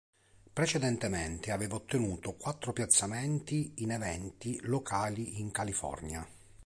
Precedentemente aveva ottenuto quattro piazzamenti in eventi locali in California.